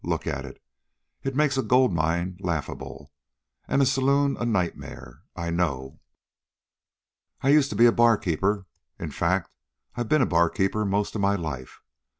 Look at it! It makes a gold mine laughable, and a saloon a nightmare. I know. I... I used to be a barkeeper. In fact, I've been a barkeeper most of my life.